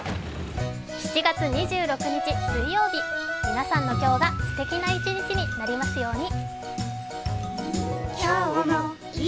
７月２６日、水曜日、皆さんの今日がすてきな一日になりますように。